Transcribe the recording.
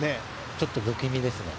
ちょっと不気味ですね。